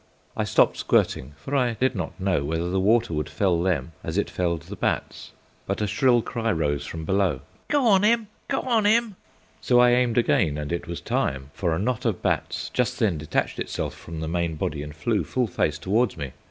I stopped squirting, for I did not know whether the water would fell them as it felled the bats; but a shrill cry rose from below: "Go on, M! go on, M!" So I aimed again, and it was time, for a knot of bats just then detached itself from the main body and flew full face towards me.